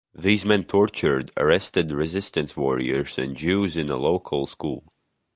These men tortured arrested resistance warriors and Jews in a local school.